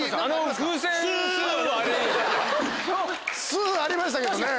スゥありましたけどね。